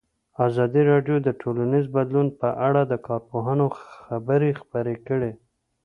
ازادي راډیو د ټولنیز بدلون په اړه د کارپوهانو خبرې خپرې کړي.